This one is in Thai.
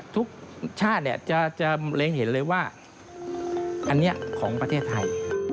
ทุกชาติจะเล็งเห็นเลยว่าอันนี้ของประเทศไทย